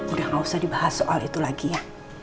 udah gak usah dibahas soal itu lagi ya